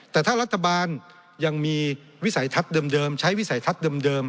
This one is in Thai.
แต่ถ้ารัฐบาลยังมีวิสัยทัศน์เดิมใช้วิสัยทัศน์เดิม